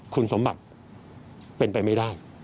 คุณสมบัติเป็นไปไม่ได้